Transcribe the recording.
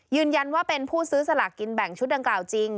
ยืนยันว่าเป็นผู้ซื้อสลากกินแบ่งชุดดังกล่าวจริง